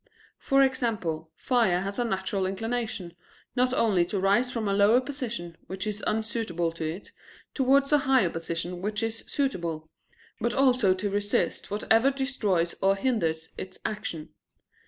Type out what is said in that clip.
For example, fire has a natural inclination, not only to rise from a lower position, which is unsuitable to it, towards a higher position which is suitable, but also to resist whatever destroys or hinders its action.